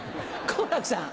好楽さん。